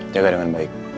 jaga dengan baik